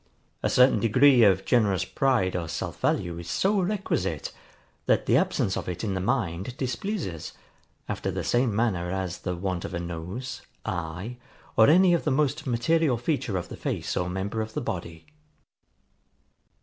A certain degree of generous pride or self value is so requisite, that the absence of it in the mind displeases, after the same manner as the want of a nose, eye, or any of the most material feature of the face or member of the body.